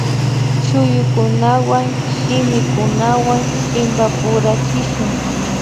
Shuyukunawan shimikunawan chimpapurachishun